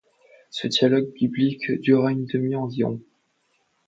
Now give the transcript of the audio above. Ce dialogue biblique dura une demi-heure environ.